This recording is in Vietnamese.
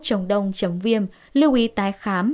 chống đông chống viêm lưu ý tái khám